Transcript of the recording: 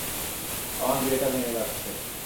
আমার বিয়েটা ভেঙে যাচ্ছে।